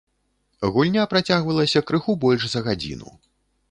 Гульня працягвалася крыху больш за гадзіну.